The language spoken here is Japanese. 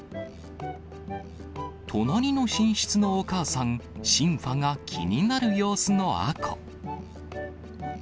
隣の寝室のお母さん、シンファが気になる様子の杏香。